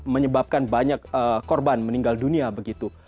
menyebabkan banyak korban meninggal dunia begitu